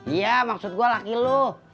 iya maksud gue laki lu